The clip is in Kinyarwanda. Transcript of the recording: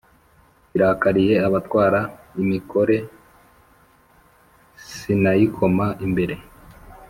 irakariye abatwara imikore sinayikoma imbere